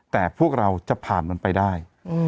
แต่พวกเราจะผ่านมันไปได้